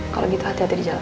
kalau gitu hati hati di jalan